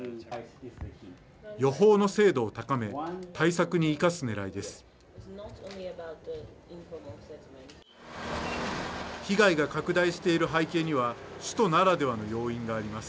予報の精度を高め、対策に生かすねらいです。